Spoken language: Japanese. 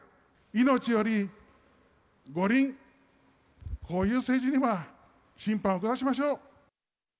命より五輪、こういう政治には審判を下しましょう。